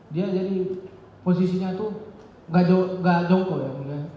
dia jadi posisinya itu gak jongkok ya boleh